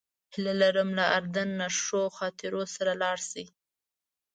هیله لرم له اردن نه ښو خاطرو سره لاړ شئ.